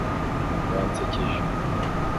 wansekeje